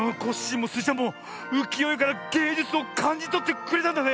もうきよえからげいじゅつをかんじとってくれたんだね！